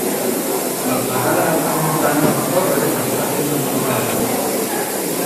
Per la cara de tramuntana de la torre destaca una tronera.